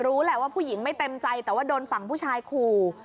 รู้แหละว่าผู้หญิงไม่เต็มใจแต่ว่าโดนฝั่งผู้ชายขู่